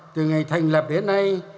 từ ngày thành lập đến nay